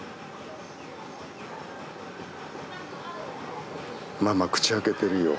ママ口開けてるよ。